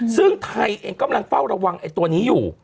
ซึ่งไทยก็มันก็เฝ้าระวังตัวนี้อยู่